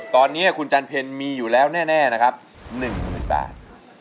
ตอนนี้คุณจันเพลมีอยู่แล้วแน่นะครับ๑๐๐๐บาท